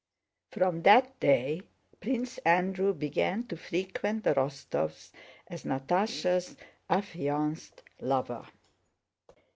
From that day Prince Andrew began to frequent the Rostóvs' as Natásha's affianced lover.